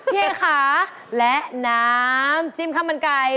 เอ๊ค่ะและน้ำจิ้มข้าวมันไก่